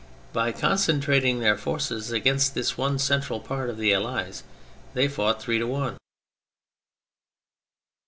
By concentrating their forces against this one central part of the Allies they fought three to one.